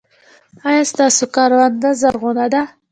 ایا ستاسو کرونده زرغونه ده؟